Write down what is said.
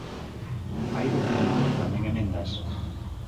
Hai documento, tamén emendas.